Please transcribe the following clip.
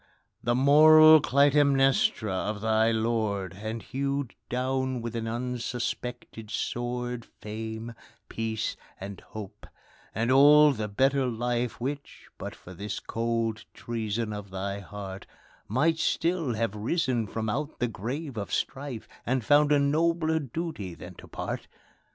The moral Clytemnestra of thy lord, And hewed down, with an unsuspected sword, Fame, peace, and hope and all the better life Which, but for this cold treason of thy heart, Might still have risen from out the grave of strife, And found a nobler duty than to part.